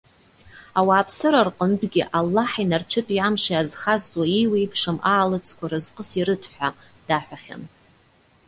Ауааԥсыра рҟынтәгьы Аллаҳи нарцәытәи амши азхазҵо иеиуеиԥшым аалыҵқәа разҟыс ирыҭ,- ҳәа даҳәахьан.